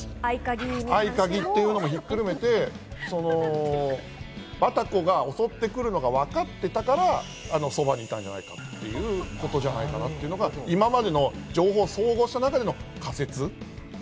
合鍵に関してもひっくるめてバタコが襲ってくるのがわかってたからそばにいたんじゃないかっていうことじゃないかなっていうのが今までの情報を総合した中での仮説。